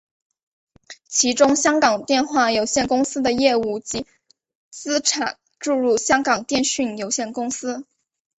其中香港电话有限公司的业务及资产注入香港电讯有限公司。